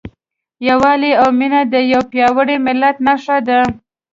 یووالی او مینه د یو پیاوړي ملت نښه ده.